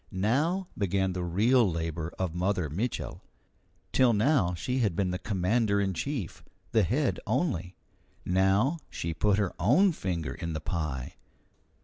Now began the real labour of Mother Mitchel. Till now she had been the commander in chief the head only; now she put her own finger in the pie.